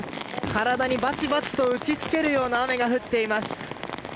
体にバチバチと打ち付けるような雨が降っています。